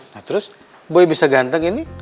nah terus boy bisa ganteng ini